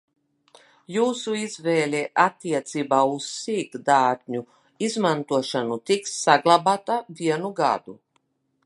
Jūsu izvēle attiecībā uz sīkdatņu izmantošanu tiks saglabāta vienu gadu.